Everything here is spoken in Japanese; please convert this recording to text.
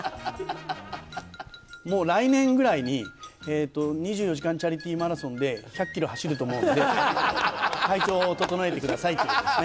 もう来年ぐらいに、２４時間チャリティーマラソンで１００キロ走ると思うので、体調を整えてくださいということですね。